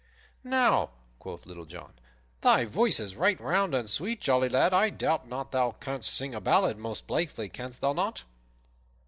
"Now," quoth Little John, "thy voice is right round and sweet, jolly lad. I doubt not thou canst sing a ballad most blithely; canst thou not?"